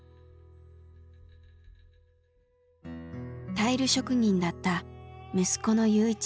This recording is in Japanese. タイル職人だった息子の勇一さん。